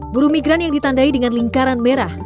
buru migran yang ditandai dengan lingkaran merah